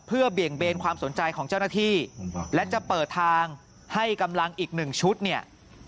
เพื่อเบี่ยงเบนความสนใจของเจ้าหน้าที่และจะเปิดทางให้กำลังอีกหนึ่งชุดเนี่ย